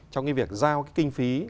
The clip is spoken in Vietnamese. trong việc giao kinh phí